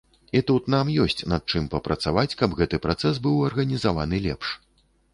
І тут нам ёсць, над чым папрацаваць, каб гэты працэс быў арганізаваны лепш.